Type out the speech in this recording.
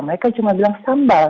mereka cuma bilang sambal